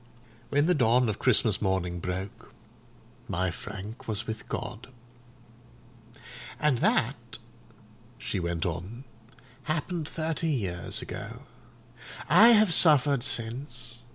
When the dawn of Christmas morning broke, my Frank was with God. "And that," she went on, "happened thirty years ago. I have suffered since.